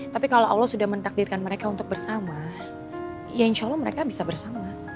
tapi kalau allah sudah mentakdirkan mereka untuk bersama ya insya allah mereka bisa bersama